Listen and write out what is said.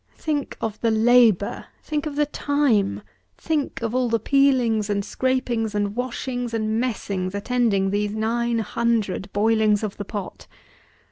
Think of the labour; think of the time; think of all the peelings and scrapings and washings and messings attending these nine hundred boilings of the pot!